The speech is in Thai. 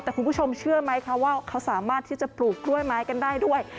แต่คุณผู้ชมเชื่อไหมคะว่าเขาสามารถที่จะปลูกกล้วยไม้กันได้ด้วย